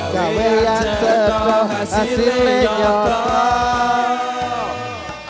kau yang sedang hasilnya nyokong